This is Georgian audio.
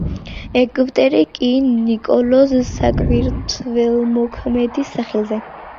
ეგვტერი კი ნიკოლოზ საკვირველთმოქმედის სახელზე.